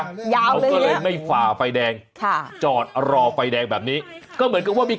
เขาก็เลยไม่ฝ่าไฟแดง